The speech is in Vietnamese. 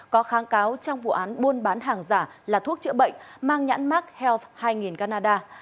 có kháng cáo trong vụ án buôn bán hàng giả là thuốc chữa bệnh mang nhãn mắc health hai canada